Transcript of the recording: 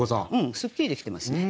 すっきりできてますね。